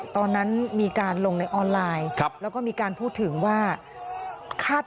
ตอนนั้นมีการลงในออนไลน์แล้วก็มีการพูดถึงว่าคาด